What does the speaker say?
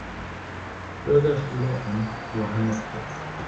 Bürgerschule am Johannisplatz.